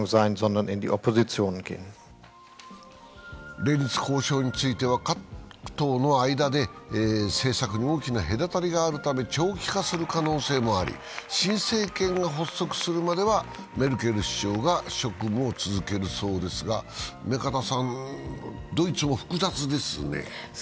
連立交渉については各党の間で政策に大きな隔たりがあるため長期化する可能性もあり、新政権が発足するまではメルケル首相が職務を続けるそうですが目加田さん、ドイツも複雑ですね？